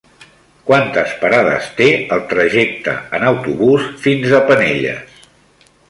Quantes parades té el trajecte en autobús fins a Penelles?